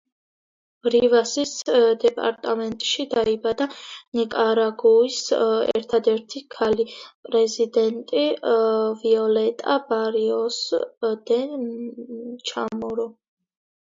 რივასის დეპარტამენტში დაიბადა ნიკარაგუის ერთადერთი ქალი პრეზიდენტი ვიოლეტა ბარიოს დე ჩამორო.